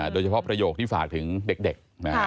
โดยเฉพาะประโยคที่ฝากถึงเด็ก